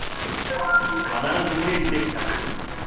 必ず定時で帰宅。